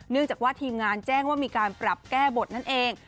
จากว่าทีมงานแจ้งว่ามีการปรับแก้บทนั่นเอง